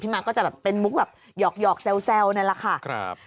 พี่ม้าก็จะเป็นมุกแบบหยอกเซลล์นั่นแหละค่ะ